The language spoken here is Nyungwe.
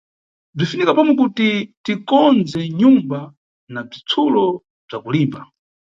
Bzinʼfunika pomwe kuti tikondze nyumba na bzitsulo bza kulimba.